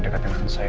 dekat dengan saya